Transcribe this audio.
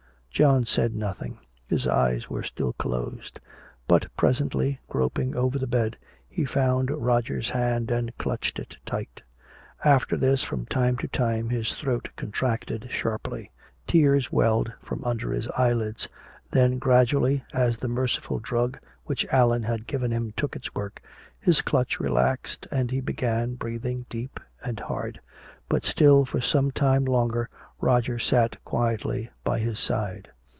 John said nothing. His eyes were still closed. But presently, groping over the bed, he found Roger's hand and clutched it tight. After this, from time to time his throat contracted sharply. Tears welled from under his eyelids. Then gradually, as the merciful drug which Allan had given did its work, his clutch relaxed and he began breathing deep and hard. But still for some time longer Roger sat quietly by his side.